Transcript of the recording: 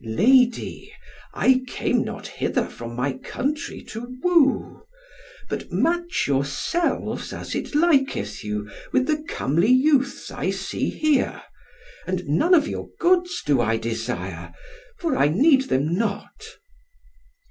"Lady, I came not hither from my country to woo; but match yourselves as it liketh you with the comely youths I see here; and none of your goods do I desire, for I need them not."